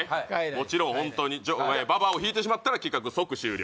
もちろんホントにババを引いてしまったら企画即終了